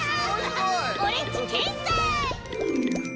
オレっちてんさい！